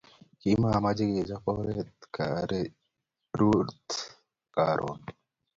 kimache kechap oret karerut karon